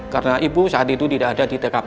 karena ibu saat itu tidak ada di tkp